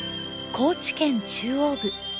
高知県中央部。